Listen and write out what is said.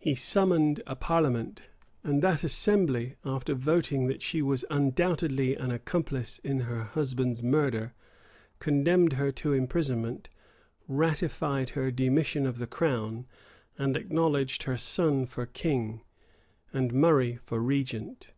He summoned a parliament; and that assembly, after voting that she was undoubtedly an accomplice in her husband's murder, condemned her to imprisonment, ratified her demission of the crown, and acknowledged her son for king, and Murray for regent.